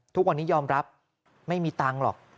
ทุกวันนี้ยอมรับไม่มีตังค์หรอก